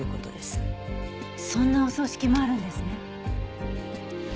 そんなお葬式もあるんですね。